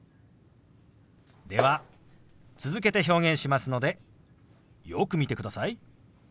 では続けて表現しますのでよく見てください。